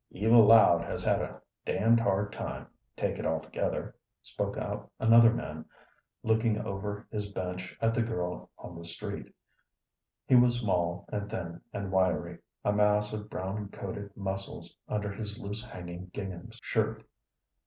"Eva Loud has had a damned hard time, take it all together," spoke out another man, looking over is bench at the girl on the street. He was small and thin and wiry, a mass of brown coated muscles under his loose hanging gingham shirt.